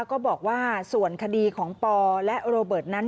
ก็บอกว่าส่วนคดีของปอและโรเบิร์ตนั้น